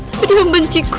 tapi dia membenciku